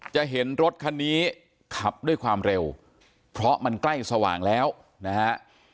จะเห็นรถคันนี้ขับด้วยความเร็วเพราะมันใกล้สว่างแล้วนะฮะ